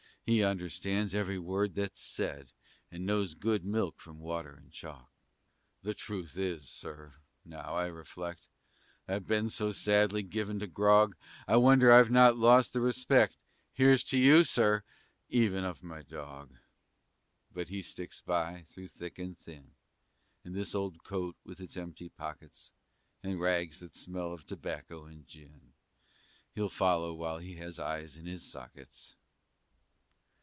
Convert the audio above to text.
He understands every word that's said, And he knows good milk from water and chalk. The truth is, Sir, now I reflect, I've been so sadly given to grog, I wonder I've not lost the respect (Here's to you, Sir!) even of my dog. But he sticks by, through thick and thin; And this old coat with its empty pockets, And rags that smell of tobacco and gin, He'll follow while he has eyes in his sockets.